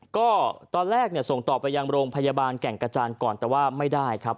ก็ตอนแรกเนี่ยส่งต่อไปยังโรงพยาบาลแก่งกระจานก่อนแต่ว่าไม่ได้ครับ